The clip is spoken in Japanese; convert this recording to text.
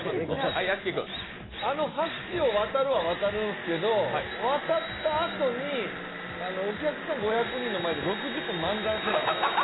あの橋を渡るは渡るんですけど渡ったあとにお客さん５００人の前で６０分漫談する？